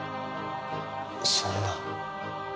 そんな。